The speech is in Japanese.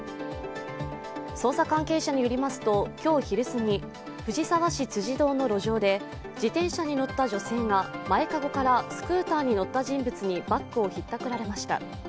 捜査関係者によりますと今日昼過ぎ、藤沢市辻堂の路上で自転車に乗った女性が前籠からスクーターに乗った人物にバッグをひったくられました。